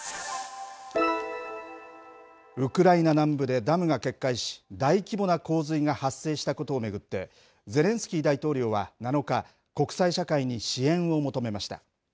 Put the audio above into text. ウクライナ南部でダムが決壊し大規模な洪水が発生したことを巡ってゼレンスキー大統領は、７日国際社会に支援を求めました。